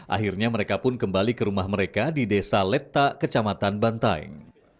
akhirnya mereka pun kembali ke rumah mereka di desa letak kecamatan bantaeng